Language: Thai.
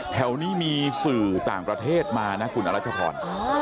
แถวนี้มีสื่อต่างประเทศมานะคุณอรัชพร